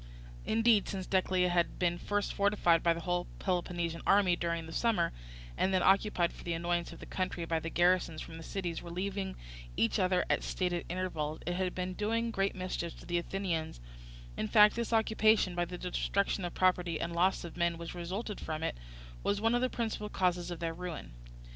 Indeed since Decelea had been first fortified by the whole Peloponnesian army during this summer, and then occupied for the annoyance of the country by the garrisons from the cities relieving each other at stated intervals, it had been doing great mischief to the Athenians; in fact this occupation, by the destruction of property and loss of men which resulted from it, was one of the principal causes of their ruin.